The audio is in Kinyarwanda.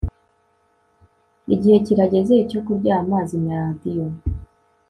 Igihe kirageze cyo kuryama Zimya radiyo